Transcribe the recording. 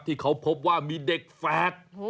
ที่เขาพบว่ามีเด็กแฝด